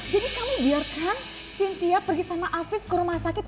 jadi kamu biarkan cynthia pergi sama afif ke rumah sakit